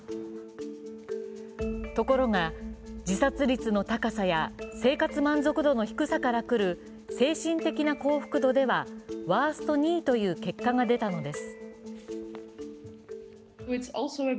ところが、自殺率の高さや生活満足度の低さから来る精神的な幸福度ではワースト２位という結果が出たのです。